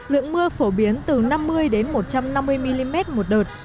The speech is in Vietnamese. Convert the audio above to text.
lượng mưa phổ biến từ năm mươi một trăm năm mươi mm một đợt